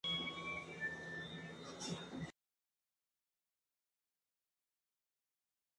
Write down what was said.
Vaughn creció en Montana, donde su padre dirigía un rancho de ganado.